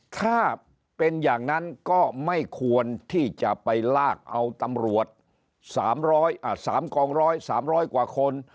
ถ้าเป็นอย่างนั้นก็ไม่ควรที่จะไปลากเอาตำรวจ๓กองร้อย๓๐๐กว่าคน